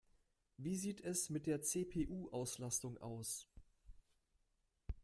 Wie sieht es mit der CPU-Auslastung aus?